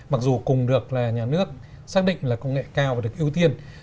mặc dù cùng được là nhà nước xác định là công nghệ cao và được ưu tiên